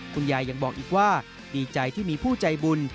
คุณยายยังบอกอีกว่าดีใจที่มีผู้ใจบุญ